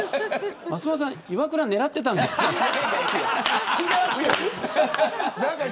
松本さん、イワクラ狙ってたんじゃないですか。